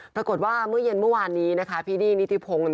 ปรากฏว่าเมื่อเย็นเมื่อวานนี้พี่ดีนิทิพงศ์